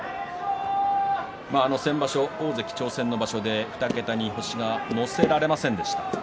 先場所、大関挑戦の場所で２桁に星を乗せられませんでした。